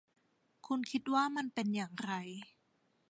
คุณคิดว่ามันเป็นอย่างไร